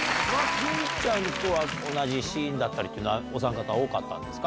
潤ちゃんとは同じシーンだったりとか、お三方、多かったんですか。